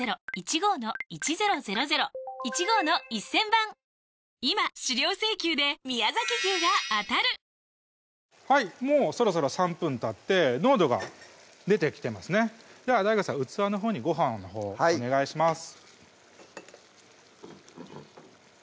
大体３分程度でいいと思いますそろそろ３分たって濃度が出てきてますねではＤＡＩＧＯさん器のほうにご飯のほうお願いします